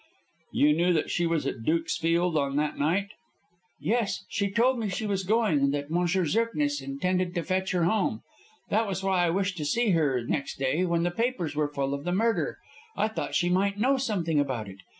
"You knew that she was at Dukesfield on that night?" "Yes, she told me she was going, and that M. Zirknitz intended to fetch her home. That was why I wished to see her next day when the papers were full of the murder. I thought she might know something about it.